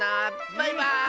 バイバーイ！